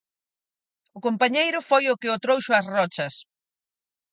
O compañeiro foi o que o trouxo ás rochas.